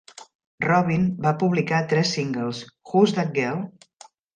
Robyn va publicar tres singles: Who's That Girl?